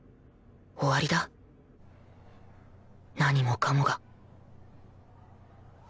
終わりだ何もかもが